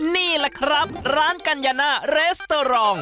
นี่ล่ะครับร้านกัญญาณะริสตอรอง